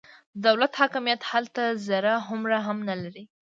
د دولت حاکمیت هلته ذره هومره هم نه لري.